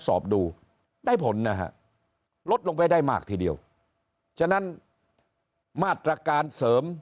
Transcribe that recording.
สอบดูได้ผลนะฮะลดลงไปได้มากทีเดียวฉะนั้นมาตรการเสริม